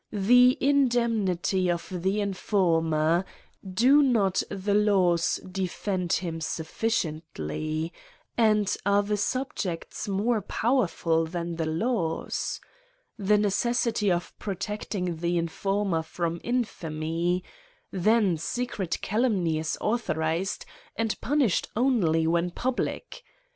The indemnity of the informer; do not the laws defend him sufficiently ? and are there sub jects more powerful than the laws? The necessity of protecting the informer from infamy ; then secret calumny is authorised, and 'punished only when public.